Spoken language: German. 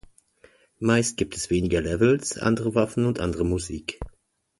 Meist gibt es weniger Levels, andere Waffen und andere Musik.